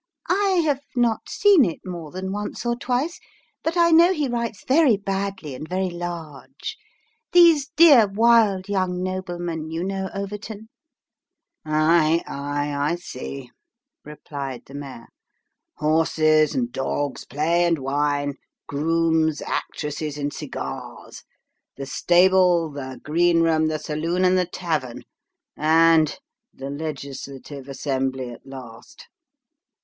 I have not seen it more than once or twice, but I know he writes very badly and very large. These dear, wild young noblemen, you know, Overton "" Ay, ay, I see," replied the mayor. " Horses and dogs, play and wine grooms, actresses, and cigars the stable, the green room, the saloon, and the tavern ; and the legislative assembly at last."